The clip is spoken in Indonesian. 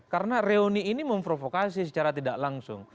karena reuni ini memprovokasi secara tidak langsung